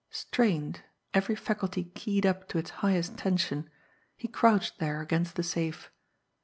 Strained, every faculty keyed up to its highest tension, he crouched there against the safe.